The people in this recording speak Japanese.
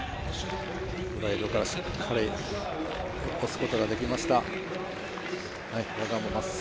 グライドからしっかり押すことができました。